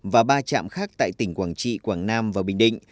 và ba trạm khác tại tỉnh quảng trị quảng nam và bình định